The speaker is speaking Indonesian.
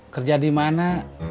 kerja di mana